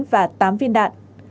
và tám viên đạn